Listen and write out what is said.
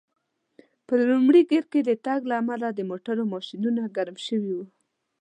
په لومړي ګېر کې د تګ له امله د موټرو ماشینونه ګرم شوي و.